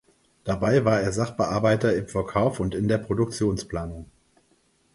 Dabei war er Sachbearbeiter im Verkauf und in der Produktionsplanung.